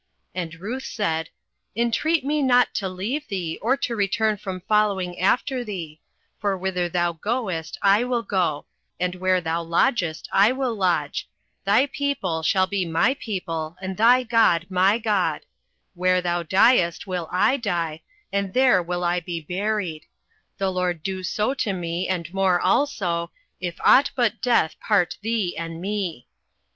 08:001:016 And Ruth said, Intreat me not to leave thee, or to return from following after thee: for whither thou goest, I will go; and where thou lodgest, I will lodge: thy people shall be my people, and thy God my God: 08:001:017 Where thou diest, will I die, and there will I be buried: the LORD do so to me, and more also, if ought but death part thee and me.